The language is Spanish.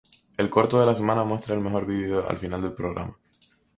El corto de la semana muestra el mejor video al final del programa.